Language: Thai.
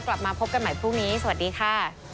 กลับมาพบกันใหม่พรุ่งนี้สวัสดีค่ะ